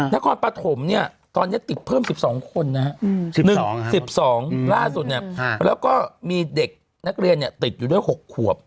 นครปฐมตอนนี้ติดเพิ่ม๑๒คนล่าสุดแล้วก็มีเด็กนักเรียนติดอยู่ด้วย๖ขวบ